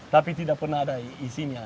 tapi tidak pernah ada isinya